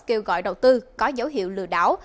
kêu gọi đầu tư có dấu hiệu lừa đảo